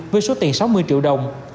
với số tiền sáu mươi triệu đồng